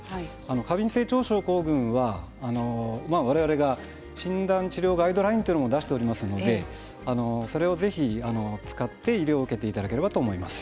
過敏性腸症候群は我々が診断治療ガイドラインというのも出しておりますのでそれをぜひ使って医療を受けていただければと思います。